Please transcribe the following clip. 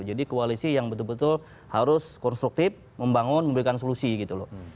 jadi koalisi yang betul betul harus konstruktif membangun memberikan solusi gitu loh